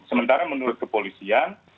sementara menurut kepolisian